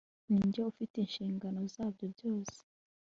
ninjye ufite inshingano zabyo byose